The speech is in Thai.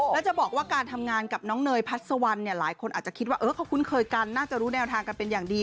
แล้วจะบอกว่าการทำงานกับน้องเนยพัสวันเนี่ยหลายคนอาจจะคิดว่าเขาคุ้นเคยกันน่าจะรู้แนวทางกันเป็นอย่างดี